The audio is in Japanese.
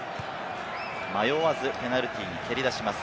迷わずペナルティーに蹴り出します。